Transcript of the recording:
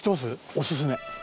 おすすめ。